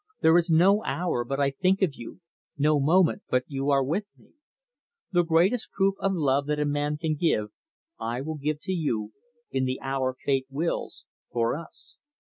There is no hour but I think of you, no moment but you are with me. The greatest proof of love that man can give, I will give to you, in the hour fate wills for us.